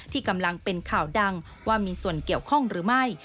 ที่กำลังเป็นข่าวดังว่ามีส่วนเกี่ยวข้องหรือไม่